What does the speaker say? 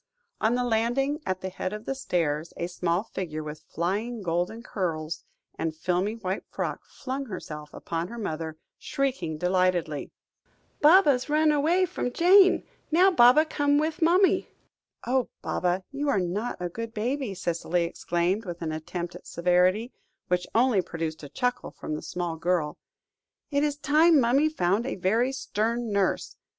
On the landing at the head of the stairs a small figure with flying golden curls, and filmy white frock, flung herself upon her mother, shrieking delightedly. "Baba's runned away from Jane. Now Baba come with mummy." "Oh, Baba, you are not a good baby," Cicely exclaimed, with an attempt at severity, which only produced a chuckle from the small girl; "it is time mummy found a very stern nurse.